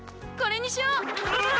これにしよう！